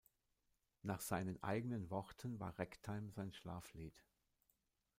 Nach seinen eigenen Worten war Ragtime sein Schlaflied.